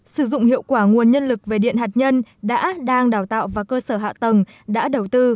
sử dụng hiệu quả nguồn nhân lực về điện hạt nhân đã đang đào tạo và cơ sở hạ tầng đã đầu tư